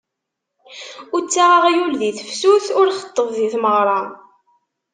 Ur ttaɣ aɣyul deg tefsut, ur xeṭṭeb deg tmeɣra.